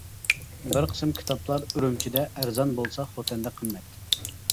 بىر قىسىم كىتابلار ئۈرۈمچىدە ئەرزان بولسا خوتەندە قىممەت.